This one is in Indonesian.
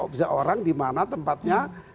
bisa orang dimana tempatnya